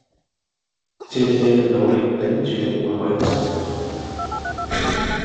謝謝努力頂住的每位真香港人